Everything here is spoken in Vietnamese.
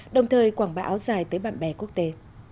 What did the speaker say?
đồng thời quảng bá áo dài tới bạn bè quốc tế